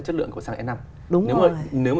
chất lượng của xăng e năm nếu mà